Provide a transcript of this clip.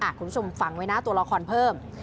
คุณผู้ชมฟังไว้นะตัวละครเพิ่ม